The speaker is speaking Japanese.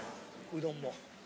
うどんも。